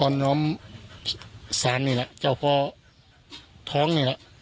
น้อมศาลนี่แหละเจ้าพ่อท้องนี่แหละ